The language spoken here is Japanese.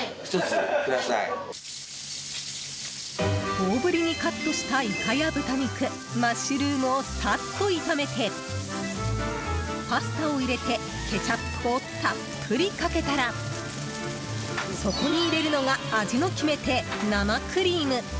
大ぶりにカットしたイカや豚肉マッシュルームをさっと炒めてパスタを入れてケチャップをたっぷりかけたらそこに入れるのが味の決め手、生クリーム。